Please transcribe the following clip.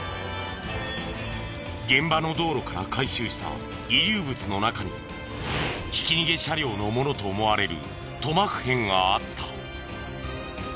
現場の道路から回収した遺留物の中にひき逃げ車両のものと思われる塗膜片があった。